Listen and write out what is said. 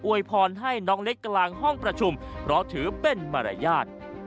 วยพรให้น้องเล็กกลางห้องประชุมเพราะถือเป็นมารยาท